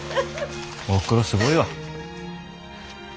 おふくろすごいわ。